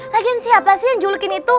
lagian siapa sih yang julukin itu